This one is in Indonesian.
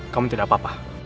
kamu tidak apa apa